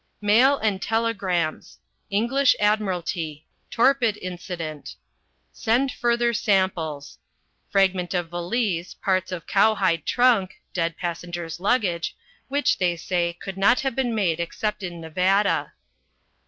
Mail and telegrams. British Admiralty. Torpid Incident. Send further samples. Fragment of valise, parts of cow hide trunk (dead passenger's luggage) which, they say, could not have been made except in Nevada.